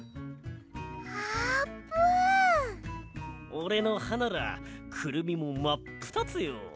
おれのはならクルミもまっぷたつよ！